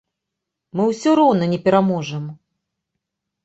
Мы ўсё роўна не пераможам.